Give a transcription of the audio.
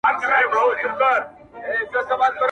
چي پخوا به یې مېړه څنګ ته ویده وو -